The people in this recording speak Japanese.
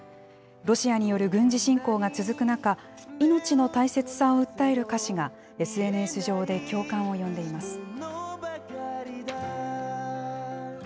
ロシアによる軍事侵攻が続く中、命の大切さを訴える歌詞が、ＳＮＳ上で共感を呼んでいます。